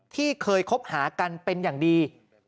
ที่เคยคบหากันเป็นอย่างดี